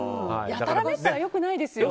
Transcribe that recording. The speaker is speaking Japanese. やたらめったらはよくないですよ。